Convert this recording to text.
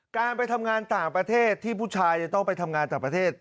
การไปทำงานต่างประเทศที่ผู้ชายจะต้องไปทำงานต่างประเทศ